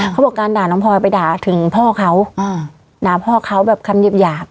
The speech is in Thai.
เขาบอกการด่าน้องพลอยไปด่าถึงพ่อเขาด่าพ่อเขาแบบคำหยาบหยาบ